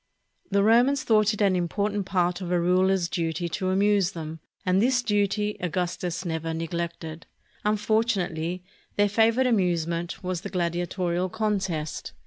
The Romans thought it an important part of a ruler's duty to amuse them, and this duty Augustus never neg lected. Unfortunately, their favorite amusement was the gladiatorial contest.